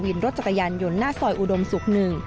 วินรถจักรยานยนต์หน้าซอยอุดมสุกหนึ่ง